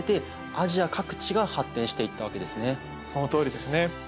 そのとおりですね。